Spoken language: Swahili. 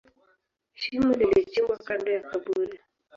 Shimo lilichimbwa kando ya kaburi.